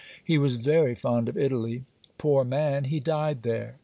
He was very fond of Italy. Poor man, he died there.